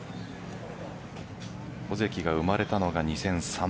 尾関が生まれたのが２００３年。